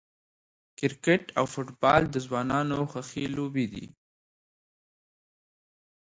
کرکټ او فوټبال د ځوانانو خوښې لوبې دي.